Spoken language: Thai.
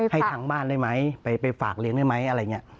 ให้ทางบ้านได้ไหมไปฝากเลี้ยงได้ไหมอะไรอย่างนี้